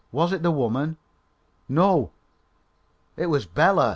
Was it the woman? No; it was Bela!